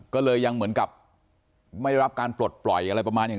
ก็เลยยังเหมือนกับไม่ได้รับการปลดปล่อยอะไรประมาณอย่าง